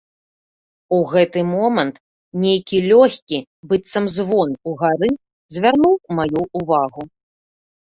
У гэты момант нейкі лёгкі быццам звон угары звярнуў маю ўвагу.